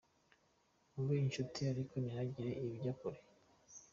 Mube inshuti ariko ntihagire ibijya kure.